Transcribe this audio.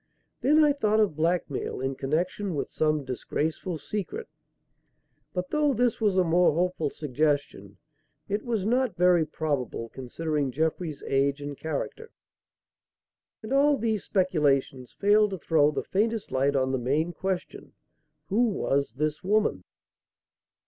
Then I thought of blackmail in connection with some disgraceful secret; but though this was a more hopeful suggestion, it was not very probable, considering Jeffrey's age and character. And all these speculations failed to throw the faintest light on the main question: "Who was this woman?"